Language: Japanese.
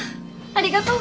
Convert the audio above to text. ありがとう。